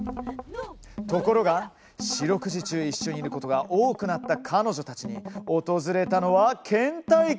ところが、四六時中一緒にいることが多くなった彼女たちに訪れたのはけん怠期？